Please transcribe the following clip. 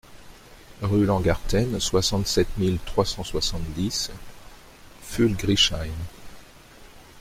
Rue Langgarten, soixante-sept mille trois cent soixante-dix Pfulgriesheim